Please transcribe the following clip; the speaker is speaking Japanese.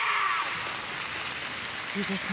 いいですね。